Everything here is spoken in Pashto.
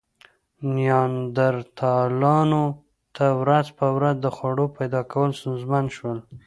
نیاندرتالانو ته ورځ په ورځ د خوړو پیدا کول ستونزمن شول.